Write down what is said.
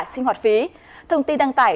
sinh hoạt phí thông tin đăng tải